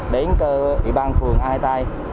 đến cơ ủy ban phường ái tây